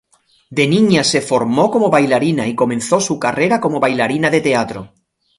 De niña se formó como bailarina y comenzó su carrera como bailarina de teatro.